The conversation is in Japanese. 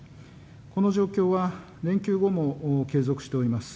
この状況は連休後も継続しております。